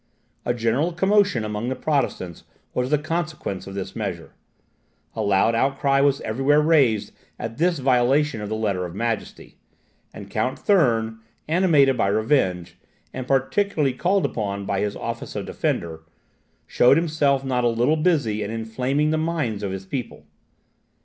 A general commotion among the Protestants was the consequence of this measure; a loud outcry was everywhere raised at this violation of the Letter of Majesty; and Count Thurn, animated by revenge, and particularly called upon by his office of defender, showed himself not a little busy in inflaming the minds of the people.